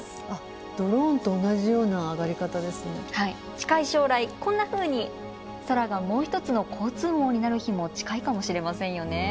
近い将来こんなふうに空がもう一つの交通網になる日も近いかもしれませんよね。